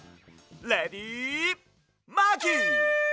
レディマーキー！